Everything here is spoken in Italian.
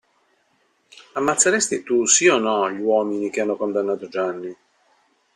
Ammazzeresti tu, sì o no, gli uomini che hanno condannato Gianni?